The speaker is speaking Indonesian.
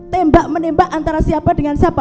tembak menembak antara siapa dengan siapa